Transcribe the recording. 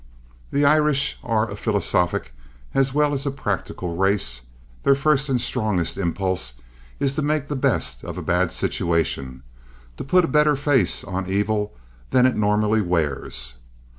The Irish are a philosophic as well as a practical race. Their first and strongest impulse is to make the best of a bad situation—to put a better face on evil than it normally wears.